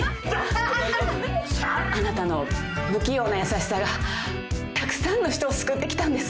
あなたの不器用な優しさがたくさんの人を救ってきたんです。